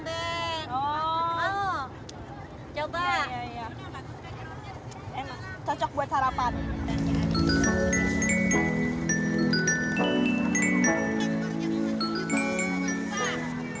terus itu kue apa tuh